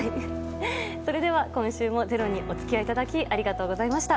それでは今週も「ｚｅｒｏ」にお付き合いいただきありがとうございました。